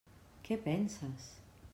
Què penses?